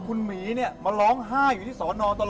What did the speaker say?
มันมีความรู้สึก